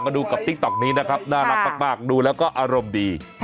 ดูกับติ๊กต๊อกนี้นะครับน่ารักมากดูแล้วก็อารมณ์ดี